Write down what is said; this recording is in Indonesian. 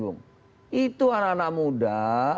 bung itu anak anak muda